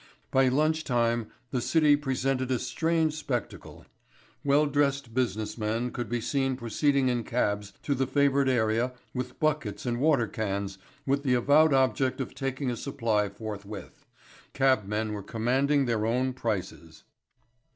By lunch time the City presented a strange spectacle. Well dressed business men could be seen proceeding in cabs to the favoured area with buckets and water cans with the avowed object of taking a supply forthwith. Cabmen were commanding their own prices.